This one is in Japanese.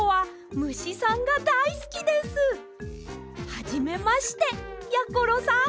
はじめましてやころさん。